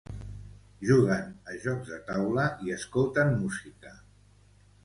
Juguen a jocs de taula i escolten música.